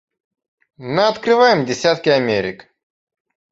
Наоткрываем десятки Америк.